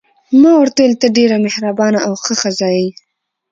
ما ورته وویل: ته ډېره مهربانه او ښه ښځه یې.